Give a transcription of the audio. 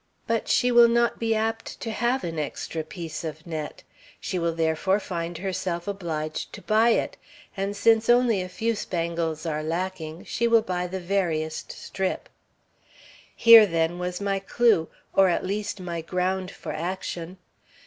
But she will not be apt to have an extra piece of net. She will, therefore, find herself obliged to buy it, and since only a few spangles are lacking, she will buy the veriest strip.' Here, then, was my clew, or at least my ground for action.